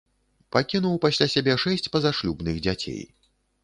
Пакінуў пасля сябе шэсць пазашлюбных дзяцей.